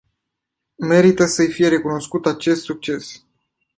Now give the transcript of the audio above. Merită să îi fie recunoscut acest succes.